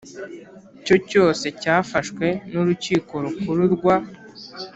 Cyo cyose cyafashwe n urukiko rukuru rwa